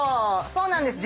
そうなんです。